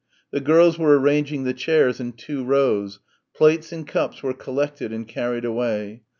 The girls were arranging the chairs in two rows plates and cups were collected and carried away.